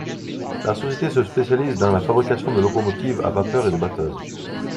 La société se spécialise dans la fabrication de locomobiles à vapeur et de batteuses.